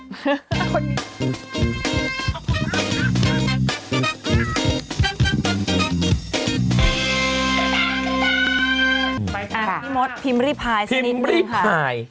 ไปค่ะค่ะพี่ม็อตพิมพ์ริพายสินิดหนึ่งค่ะพิมพ์ริพาย